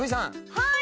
はい。